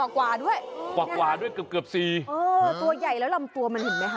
กว่าด้วยกว่ากว่าด้วยเกือบเกือบสี่เออตัวใหญ่แล้วลำตัวมันเห็นไหมคะ